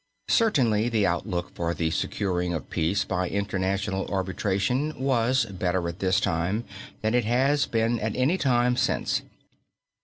Certainly the outlook for the securing of peace by international arbitration was better at this time than it has been at any time since.